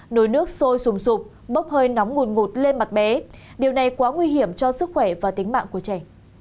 nồi nước sôi sùng sụp bốc hơi nóng ngùn ngụt lên mặt bé điều này quá nguy hiểm cho sức khỏe và tính mạng của trẻ